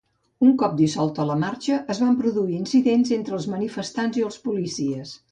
Un cop dissolta la marxa es van produir incidents entre els manifestants i els policies.